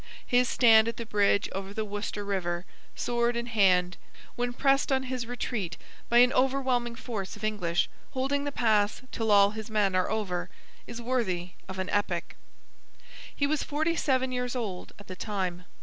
His stand at the bridge over the Wooster river, sword in hand, when pressed on his retreat by an overwhelming force of English, holding the pass till all his men are over, is worthy of an epic. He was forty seven years old at the time.